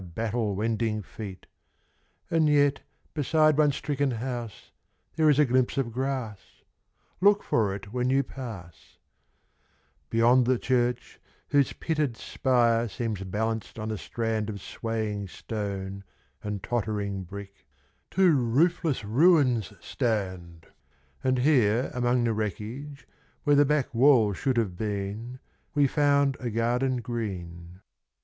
\ battle wending feet; And vet beside one stricken house there is a glimpse of grass, Look for it when you pa >nd the Church whose pitted spire ems balanced on a strand < M waying stone and tottering bri< k Two roofless ruins stand, [been And here anion the Wl '.here the back wall should We found a garden ^reen.